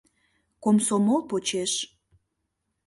Комсомол почеш